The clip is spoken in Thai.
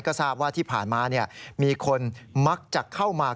ก็ทราบว่าที่ผ่านมามีคนมักจะเข้ามา